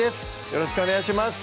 よろしくお願いします